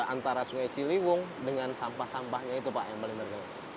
antara sungai ciliwung dengan sampah sampahnya itu pak yang paling penting